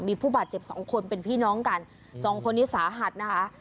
มีผู้บาดเจ็บสองคนเป็นพี่น้องกันสองคนนี้สาหัสนะคะ